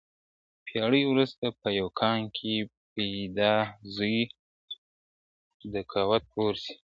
پېړۍ وروسته په یو قام کي پیدا زوی د کوه طور سي ,